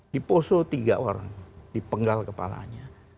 diposo tiga orang dipenggal kepalanya